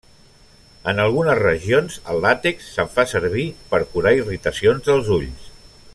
En algunes regions el làtex se'n fa servir per curar irritacions dels ulls.